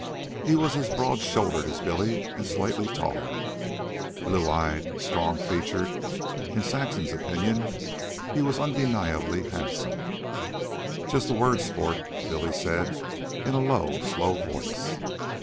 He was as broad shouldered as Billy and slightly taller. Blue eyed, strong featured, in Saxon's opinion he was undeniably handsome. "Just a word, sport," Billy said, in a low, slow voice.